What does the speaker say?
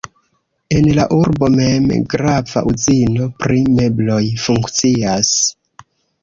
En la urbo mem grava uzino pri mebloj funkcias.